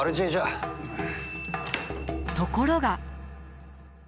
ところが。